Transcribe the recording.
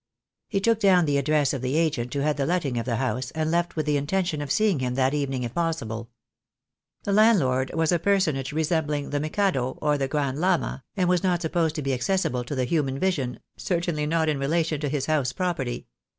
He took down the address of the agent who had the letting of the house, and left with the intention of seeing him that evening if possible. The landlord was a per sonage resembling the Mikado, or the Grand Llama, and was not supposed to be accessible to the human vision, certainly not in relation to his house property.